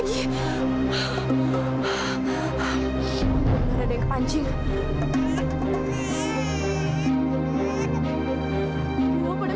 tidak ada yang kepancing